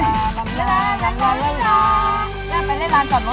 ครับ